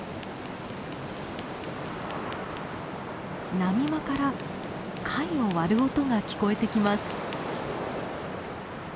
波間から貝を割る音が聞こえてきます。